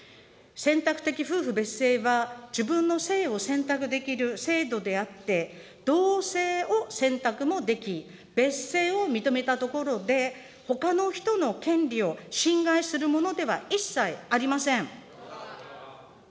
選択的夫婦別姓は、自分の姓を選択できる制度であって、同姓を選択もでき、別姓を認めたところで、ほかの人の権利を侵害するものでは一切ありません。